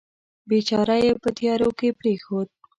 بیچاره یې په تیارو کې پرېښود.